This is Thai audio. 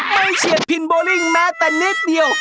ไม่เชียดพิมพ์โบลิ่งแม้แต่นิดเดียว